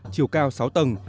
chiều cao sáu tầng